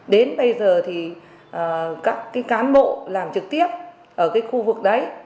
đến bây giờ thì các cán bộ làm trực tiếp ở cái khu vực đấy